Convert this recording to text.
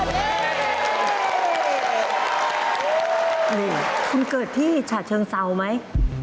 นี่คุณเกิดที่ฉะเชิงเซาไหม